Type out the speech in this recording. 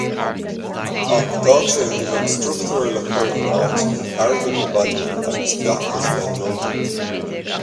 Ach d'fhág sin go mbeadh struchtúir le cur in áit, airgead le bailiú agus feachtas le n-ullmhú.